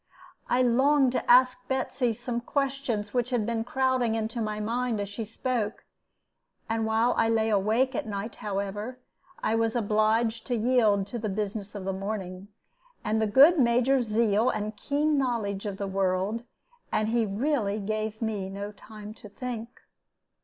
I longed to ask Betsy some questions which had been crowding into my mind as she spoke, and while I lay awake at night; however, I was obliged to yield to the business of the morning, and the good Major's zeal and keen knowledge of the world; and he really gave me no time to think.